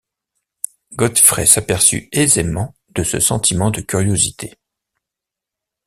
Godfrey s’aperçut aisément de ce sentiment de curiosité.